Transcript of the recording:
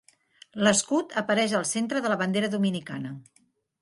L'escut apareix al centre de la bandera dominicana.